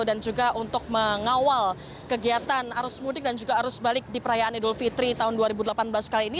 dan juga untuk mengawal kegiatan arus mudik dan juga arus balik di perayaan idul fitri tahun dua ribu delapan belas kali ini